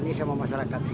tni sama masyarakat sih